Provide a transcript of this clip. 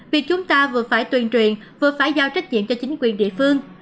vì chúng ta vừa phải tuyên truyền vừa phải giao trách nhiệm cho chính quyền địa phương